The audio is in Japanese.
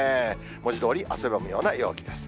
文字どおり汗ばむような陽気です。